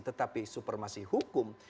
tetapi supermasih hukum